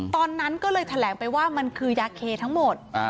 ตอนนั้นก็เลยแถลงไปว่ามันคือยาเคทั้งหมด